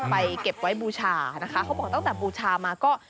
เก็บไว้บูชานะคะเขาบอกตั้งแต่บูชามาก็